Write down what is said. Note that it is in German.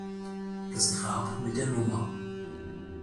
Das Grab mit der Nr.